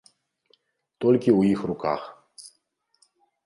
Толькі ў іх руках.